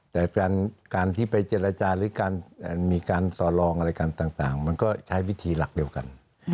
แต่การที่ไปเจรจาหรือการมีการต่อลองอะไรกันต่างมันก็ใช้วิธีหลักเดียวกัน